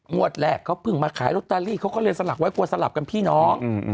งวดแรกเขาเพิ่งมาขายลูกตารีเขาก็เลยสลับไว้กว่าสลับกันพี่น้อง